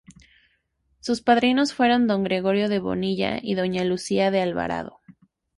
Sus padrinos fueron don Gregorio de Bonilla y doña Lucía de Alvarado.